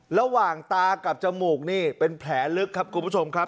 ตากับจมูกนี่เป็นแผลลึกครับคุณผู้ชมครับ